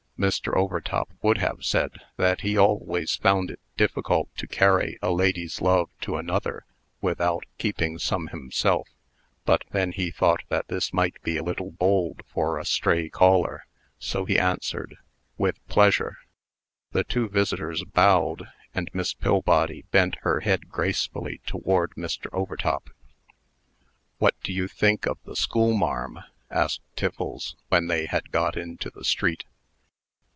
Mr. Overtop would have said that he always found it difficult to carry a lady's love to another without keeping some himself; but then he thought that this might be a little bold for a stray caller. So he answered, "With pleasure." The two visitors bowed, and Miss Pillbody bent her head gracefully toward Mr. Overtop. "What do you think of the schoolmarm?" asked Tiffles, when they had got into the street.